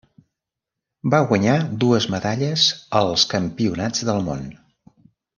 Va guanyar dues medalles als Campionats del Món.